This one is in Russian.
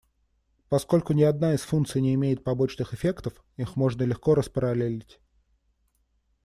Поскольку ни одна из функций не имеет побочных эффектов, их можно легко распараллелить.